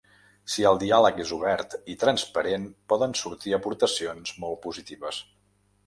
Si el diàleg és obert i transparent poden sortir aportacions molt positives.